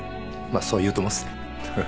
まあそう言うと思ってたよ。